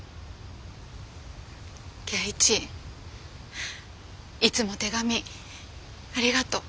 恵一いつも手紙ありがとう。